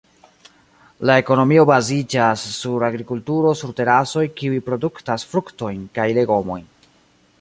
La ekonomio baziĝas sur agrikulturo sur terasoj kiuj produktas fruktojn kaj legomojn.